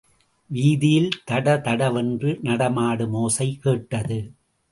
வீதியில் தடதடவென்று நடமாடும் ஓசை கேட்டது.